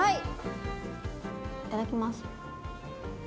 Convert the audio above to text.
いただきます！